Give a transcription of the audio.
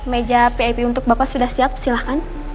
meja pip untuk bapak sudah siap silahkan